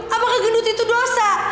apakah gendut itu dosa